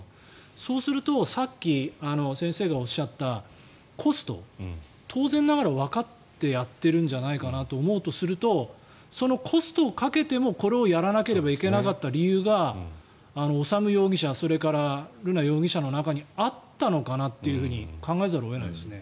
そうするとさっき先生がおっしゃったコスト当然ながらわかってやってるんじゃないかと思うとそのコストをかけても、これをやらなければいけなかった理由が修容疑者、それから瑠奈容疑者の中にあったのかなって考えざるを得ないですね。